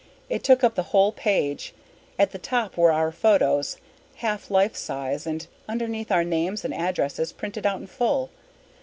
It took up the whole page. At the top were our photos, half life size, and underneath our names and addresses printed out in full.